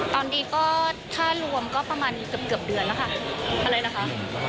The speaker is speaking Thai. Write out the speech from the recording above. ตอนนี้ก็ค่ารวมคือเกือบเตือนนะคะ